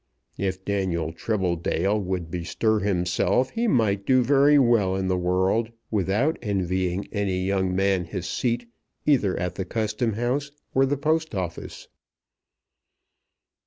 If Daniel Tribbledale would bestir himself he might do very well in the world without envying any young man his seat either at the Custom House or the Post Office."